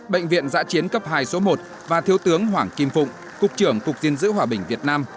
bệnh viện giã chiến cấp hai số một và thiếu tướng hoàng kim phụng cục trưởng cục diên giữ hòa bình việt nam